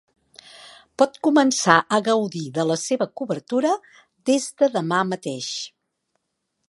Pot començar a gaudir de la seva cobertura des de demà mateix.